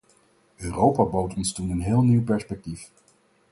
Europa bood ons toen een heel nieuw perspectief.